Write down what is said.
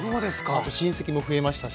あと親戚も増えましたし。